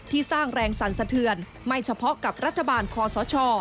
สร้างแรงสั่นสะเทือนไม่เฉพาะกับรัฐบาลคอสช